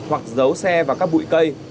hoặc giấu xe vào các bụi cây